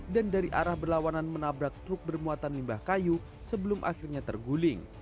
dan dari arah berlawanan menabrak truk bermuatan limbah kayu sebelum akhirnya terguling